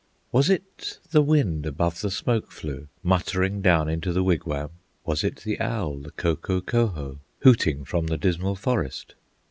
Was it the wind above the smoke flue, Muttering down into the wigwam? Was it the owl, the Koko koho, Hooting from the dismal forest?